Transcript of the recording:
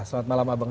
selamat malam abang